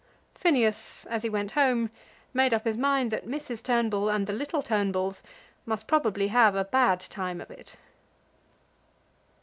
Phineas, as he went home, made up his mind that Mrs. Turnbull and the little Turnbulls must probably have a bad time of it.